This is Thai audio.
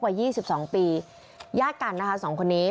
วัย๒๒ปีญาติกันนะคะสองคนนี้